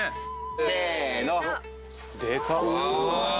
せの。